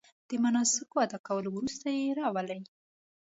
د مناسکو ادا کولو وروسته یې راولي.